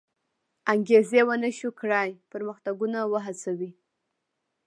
انګېزې و نه شوی کړای پرمختګونه وهڅوي.